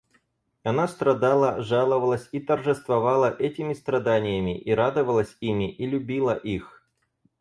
Она страдала, жаловалась и торжествовала этими страданиями, и радовалась ими, и любила их.